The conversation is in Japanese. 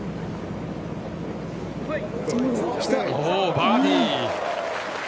バーディー。